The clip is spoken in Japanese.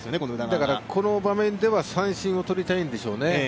だから、この場面では三振を取りたいんでしょうね。